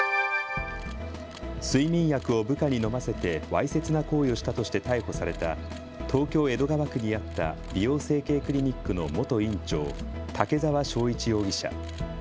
睡眠薬を部下に飲ませてわいせつな行為をしたとして逮捕された東京江戸川区にあった美容整形クリニックの元院長、竹澤章一容疑者。